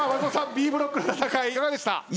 Ｂブロックの戦いいかがでした？